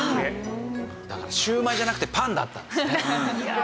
だからシューマイじゃなくてパンだったんですね。